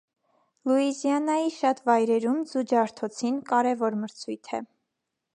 Լուիզիանայի շատ վայրերում ձու ջարդոցին կարևոր մրցույթ է։